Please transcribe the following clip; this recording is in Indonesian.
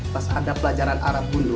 pas ada pelajaran arab bulu